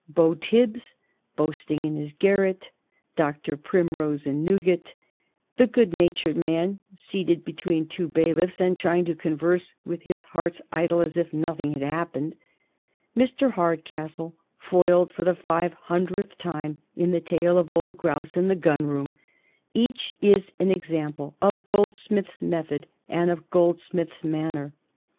Beau Tibbs boasting in his garret; Dr. Primrose in Newgate; the good natured man, seated between two bailiffs, and trying to converse with his heart's idol as if nothing had happened; Mr. Hardcastle, foiled for the five hundredth time in the tale of Old Grouse in the Gun Room; each is an example of Goldsmith's method and of Goldsmith's manner.